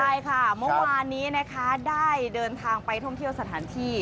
ใช่ค่ะเมื่อวานนี้นะคะได้เดินทางไปท่องเที่ยวสถานที่